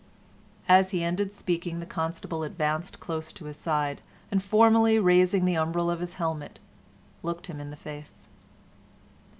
As he ended speaking, the Constable advanced close to his side, and formally raising the umbril of the helmet, looked him in the face.